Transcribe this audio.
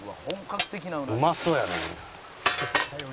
うまそうやね。